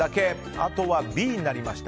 あとはＢになりました。